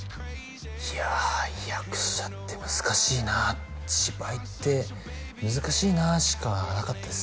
いやあ役者って難しいな芝居って難しいなしかなかったです